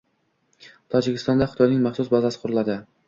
Tojikistonda Xitoyning maxsus bazasi qurilading